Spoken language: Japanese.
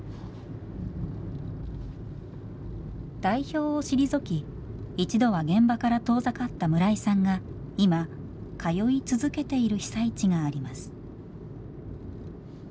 代表を退き一度は現場から遠ざかった村井さんが今通い続けている被災地があります。